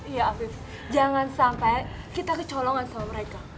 iya afif jangan sampai kita kecolongan sama mereka